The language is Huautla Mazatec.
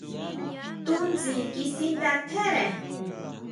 Tunsin kasindá tjere.